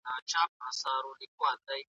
هېڅکله د بل چا علمي زیار په خپل نوم مه خپروئ.